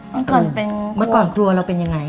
เมื่อก่อนเป็นเมื่อก่อนครัวเราเป็นยังไง